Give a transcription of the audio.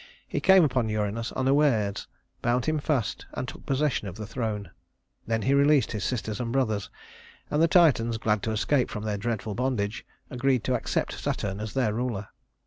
He came upon Uranus unawares, bound him fast, and took possession of the throne. Then he released his sisters and brothers, and the Titans, glad to escape from their dreadful bondage, agreed to accept Saturn as their ruler.